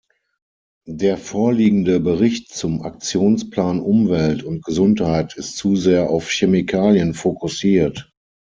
Der vorliegende Bericht zum Aktionsplan Umwelt und Gesundheit ist zu sehr auf Chemikalien fokussiert.